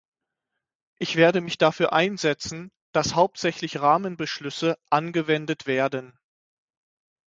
Ich werde mich dafür einsetzen, dass hauptsächlich Rahmenbeschlüsse angewendet werden.